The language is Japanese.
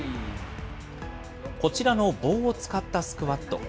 こちらの棒を使ったスクワット。